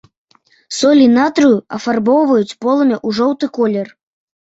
Солі натрыю афарбоўваюць полымя ў жоўты колер.